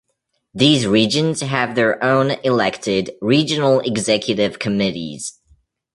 These regions have their own elected Regional Executive Committees.